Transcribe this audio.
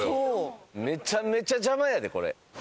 めちゃめちゃ邪魔やでこれ。